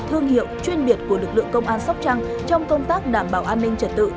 thương hiệu chuyên biệt của lực lượng công an sóc trăng trong công tác đảm bảo an ninh trật tự